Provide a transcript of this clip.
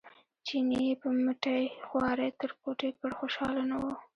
چیني یې په مټې خوارۍ تر کوټې کړ خوشاله نه و.